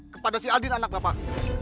kepada si adin anak bapak